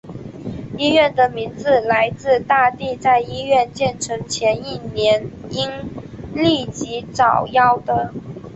医院的名字来自大帝在医院建成前一年因痢疾早夭的。